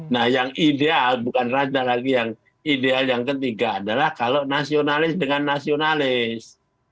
nah yang ideal bukan raja lagi yang ideal yang ketiga adalah kalau nasionalis dengan nasionalis